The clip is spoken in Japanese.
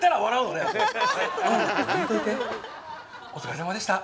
お疲れさまでした。